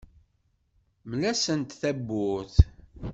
Mlet-asent tawwurt.